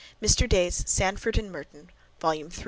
Mr. Day's "Sandford and Merton," Volume 3.)